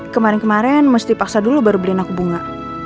kemarin kemarin mesti paksa dulu baru beliin aku bunga